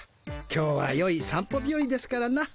今日はよい散歩日よりですからな。